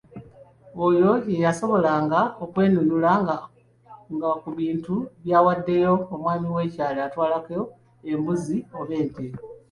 "Oyo eyasobolanga okwenunula nga ku bintu byawaddeyo, omwami w’ekyalo atwalako embuzi oba ente."